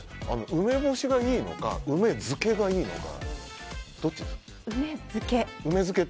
梅干しがいいのか梅漬けがいいのか梅漬け？